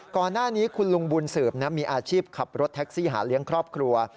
ก่อนหน้านี้คุณลุงบุญสืบมีอาชีพขับรถแท็กซี่หาเลี้ยงครอบครัว